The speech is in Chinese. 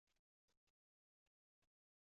填漆工艺在明朝和清朝越趋成熟。